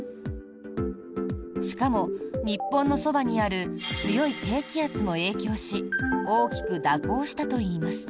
しかも、日本のそばにある強い低気圧も影響し大きく蛇行したといいます。